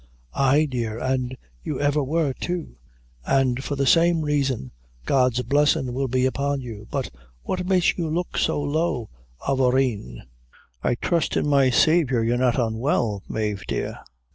"Ay, dear, an' you ever wor, too and for the same raison God's blessin' will be upon you; but what makes you look so low, avourneen? I trust in my Saviour, you are not unwell, Mave, dear."